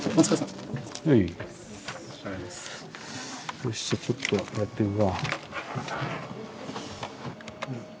よしちょっとやってくか。